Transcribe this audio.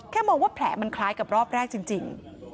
มองว่าแผลมันคล้ายกับรอบแรกจริง